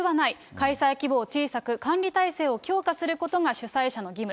開催規模を小さく、管理体制を強化することが主催者の義務。